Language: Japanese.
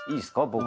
僕。